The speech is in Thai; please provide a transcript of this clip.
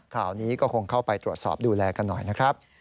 ข่าวนี้ก็คงเข้าไปตรวจสอบดูแลกันหน่อยนะครับ